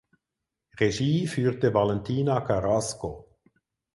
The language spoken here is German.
Regie führte Valentina Carrasco.